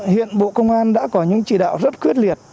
hiện bộ công an đã có những chỉ đạo rất quyết liệt